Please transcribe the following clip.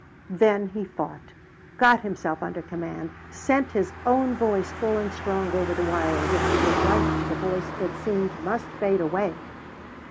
Then he fought. Got himself under command; sent his own voice full and strong over the wire as if to give life to the voice it seemed must fade away.